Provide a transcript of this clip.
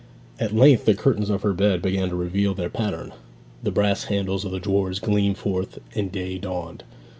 At length the curtains of her bed began to reveal their pattern, the brass handles of the drawers gleamed forth, and day dawned.